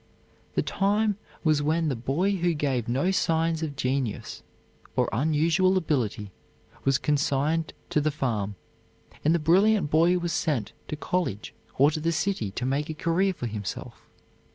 The time was when the boy who gave no signs of genius or unusual ability was consigned to the farm, and the brilliant boy was sent to college or to the city to make a career for himself.